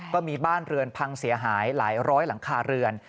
ก็มีบ้านเรือนพังเสียหายหลายร้อยหลังคาเรือน